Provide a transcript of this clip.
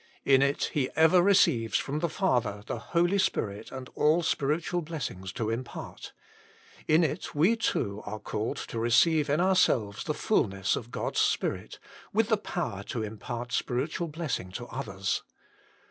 In it He ever receives from the Father the Holy Spirit and all spiritual blessings to impart ; in it we too are called to receive in our selves the fulness of God s Spirit, with the power to impart spiritual blessing to others.